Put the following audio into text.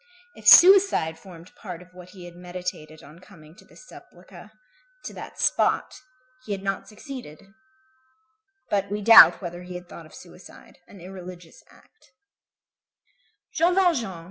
If suicide formed part of what he had meditated on coming to this sepulchre, to that spot, he had not succeeded. But we doubt whether he had thought of suicide, an irreligious act.